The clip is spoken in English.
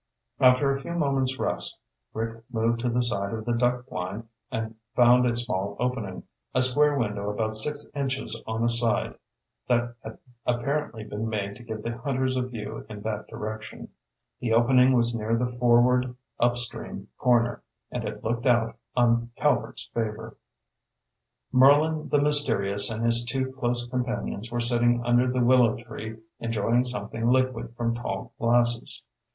After a few moments' rest, Rick moved to the side of the duck blind and found a small opening, a square window about six inches on a side, that had apparently been made to give the hunters a view in that direction. The opening was near the forward, upstream corner, and it looked out on Calvert's Favor. Merlin the mysterious and his two close companions were sitting under the willow tree enjoying something liquid from tall glasses.